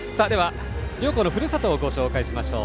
両校のふるさとをご紹介しましょう。